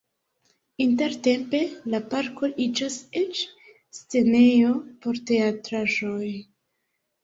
Intertempe la parko iĝas eĉ scenejo por teatraĵoj.